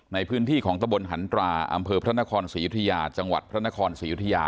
ในพื้นที่ของตะบนหันตราอำเภอพระนครศรียุธยาจังหวัดพระนครศรียุธยา